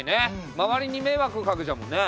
周りに迷惑かけちゃうもんね。